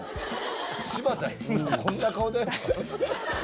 柴田こんな顔だよ